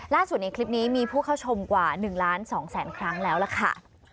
ในคลิปนี้มีผู้เข้าชมกว่า๑ล้าน๒แสนครั้งแล้วล่ะค่ะ